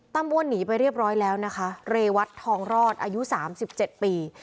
อ้วนหนีไปเรียบร้อยแล้วนะคะเรวัตทองรอดอายุ๓๗ปี